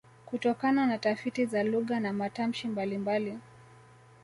Kutokana na tafiti za lugha na matamshi mbalimbali